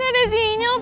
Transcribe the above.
gak ada sinyal pak